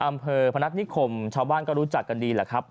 พนักนิคมชาวบ้านก็รู้จักกันดีแหละครับ